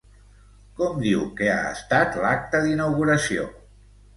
Com diu que ha estat l'acte d'inauguració?